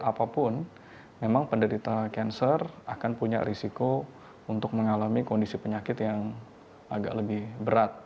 apapun memang penderita cancer akan punya risiko untuk mengalami kondisi penyakit yang agak lebih berat